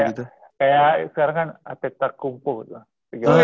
kayak sekarang kan atlet terkumpul